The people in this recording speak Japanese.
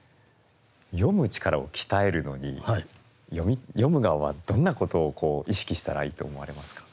読む力を鍛えるのに読む側はどんなことを意識したらいいと思われますか？